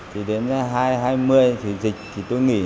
thì đến hai nghìn hai mươi thì dịch thì tôi nghỉ